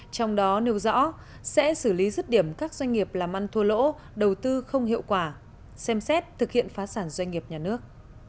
trong đó nêu rõ sẽ xử lý rứt điểm các doanh nghiệp làm ăn thua lỗ đầu tư không hiệu quả xem xét thực hiện phá sản doanh nghiệp nhà nước